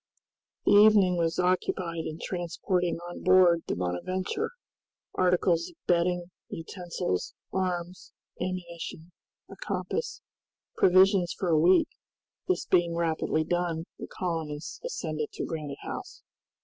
The evening was occupied in transporting on board the "Bonadventure," articles of bedding, utensils, arms, ammunition, a compass, provisions for a week; this being rapidly done, the colonists ascended to Granite House.